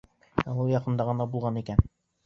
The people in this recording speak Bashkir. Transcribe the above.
Ә ул яҡында ғына булған икән.